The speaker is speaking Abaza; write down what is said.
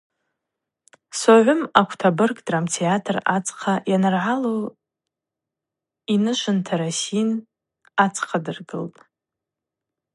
Согъвым аквтабырг, адрама театр адзхъа йаныргӏалу йнышвынтара син ахъадздыргылтӏ.